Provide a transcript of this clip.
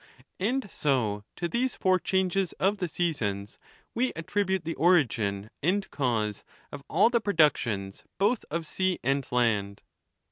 And so to these four changes of the seasons we attribute the origin and cause of all the productions both of sea and land.